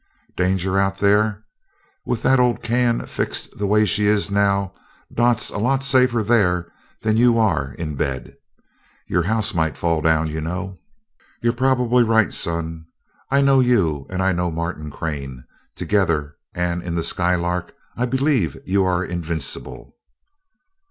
"Danger out there? With the old can fixed the way she is now, Dot's a lot safer there than you are in bed. Your house might fall down, you know." "You're probably right, son I know you, and I know Martin Crane. Together, and in the Skylark, I believe you invincible."